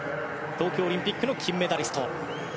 東京オリンピックの金メダリスト。